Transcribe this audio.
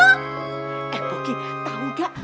eh bogi tahu gak